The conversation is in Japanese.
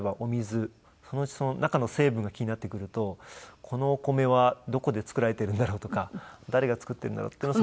そのうち中の成分が気になってくるとこのお米はどこで作られているんだろう？とか誰が作っているんだろう。